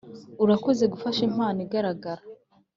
urakoze gufasha impano igaragara